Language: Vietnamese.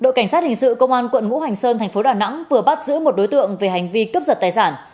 đội cảnh sát hình sự công an quận ngũ hành sơn thành phố đà nẵng vừa bắt giữ một đối tượng về hành vi cướp giật tài sản